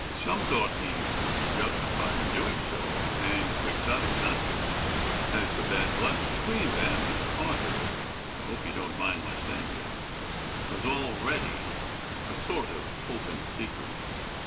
Some thought he would be justified in doing so, and quixotic not to, as the bad blood between them, and the cause of it (I hope you don t mind my saying this?) was already a sort of open secret.